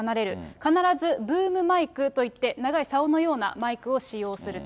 必ずブームマイクといって、長いさおのようなマイクを使用すると。